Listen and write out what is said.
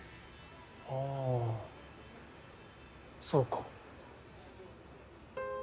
ああそうか。